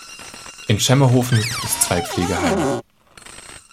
In Schemmerhofen gibt es zwei Pflegeheime.